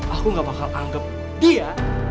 aku gak bakal anggap dia